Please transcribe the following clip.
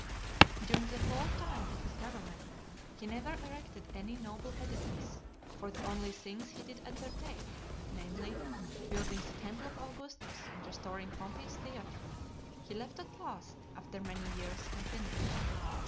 XLVII. During the whole time of his government, he never erected any noble edifice; for the only things he did undertake, namely, building the temple of Augustus, and restoring Pompey's Theatre, he left at last, after many years, unfinished.